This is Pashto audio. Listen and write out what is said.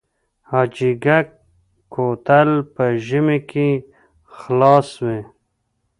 حاجي ګک کوتل په ژمي کې خلاص وي؟